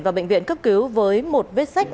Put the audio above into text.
vào bệnh viện cấp cứu với một vết sách